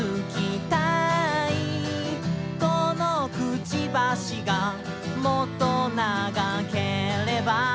「このくちばしがもっと長ければ」